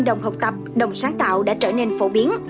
đồng học tập đồng sáng tạo đã trở nên phổ biến